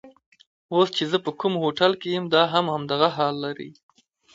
اوس چې زه په کوم هوټل کې یم دا هم همدغه حال لري.